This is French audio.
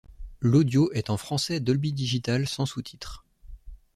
L'audio est en Français Dolby Digital sans sous-titres.